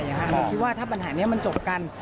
เราคิดว่าถ้าปัญหานี้มันจบกัน